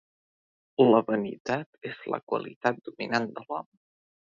La vanitat és la qualitat dominant de l'home.